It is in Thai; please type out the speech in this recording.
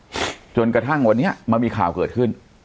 จนกระทั่งวันนี้มันมีข่าวเกิดขึ้น